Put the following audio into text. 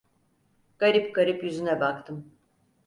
Garip garip yüzüne baktım.